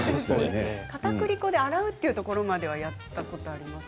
かたくり粉で洗うというところまではやったことがあります。